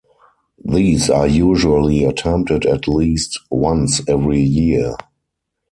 These are usually attempted at least once every year.